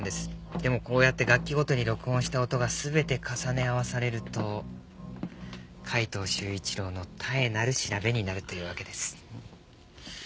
でもこうやって楽器ごとに録音した音が全て重ね合わされると海東柊一郎の妙なる調べになるというわけです。